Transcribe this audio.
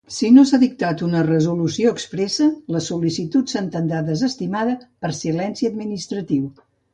Si no s'ha dictat una resolució expressa, la sol·licitud s'entendrà desestimada per silenci administratiu.